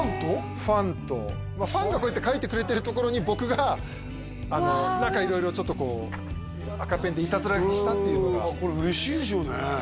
ファンとファンがこうやって書いてくれてるところに僕が何か色々ちょっとこう赤ペンでイタズラ書きしたっていうのがこれ嬉しいでしょうね